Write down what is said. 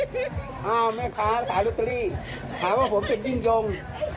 ถามว่าผมเป็นยิงยง